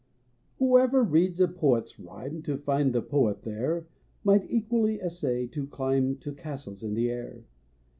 Whoever reads a poet's rhyme To find the poet there, Might equally essay to climb To castles in the air.